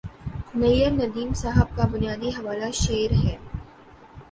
نیّرندیم صاحب کا بنیادی حوالہ شعر ہے